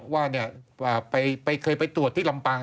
ว่าเคยไปตรวจที่ลำปาง